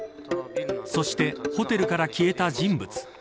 そしてホテルから消えた人物。